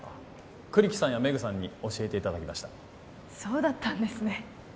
栗木さんやメグさんに教えていただきましたそうだったんですね